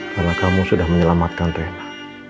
karena kamu sudah menyelamatkan rena